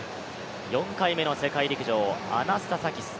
４回目の世界陸上、アナスタサキス。